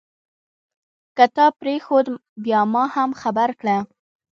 که تا پرېښود بیا ما هم خبر کړه.